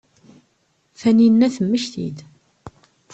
Taninna temmekti-d.